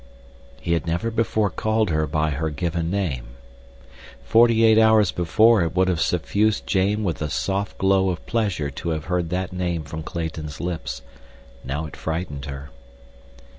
He had never before called her by her given name. Forty eight hours before it would have suffused Jane with a soft glow of pleasure to have heard that name from Clayton's lips—now it frightened her.